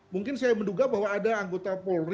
mungkin saya menduga bahwa ada anggota yang berpengalaman